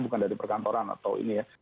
bukan dari perkantoran atau ini ya